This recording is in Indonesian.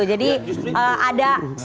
jadi ada star yang diidolasi